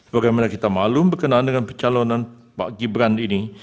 bagaimana kita maklum berkenaan dengan pencalonan pak gibran ini